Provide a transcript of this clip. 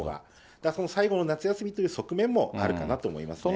だからその最後の夏休みという側面もあるかなと思いますね。